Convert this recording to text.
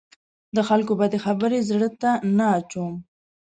د خلکو بدې خبرې زړه ته نه اچوم.